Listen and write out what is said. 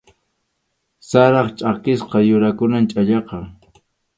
Sarap chʼakisqa yurakunam chhallaqa.